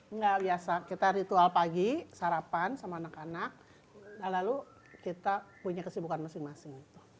enggak biasa kita ritual pagi sarapan sama anak anak lalu kita punya kesibukan masing masing